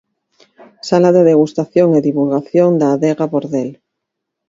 Sala de degustación e divulgación da Adega Bordel.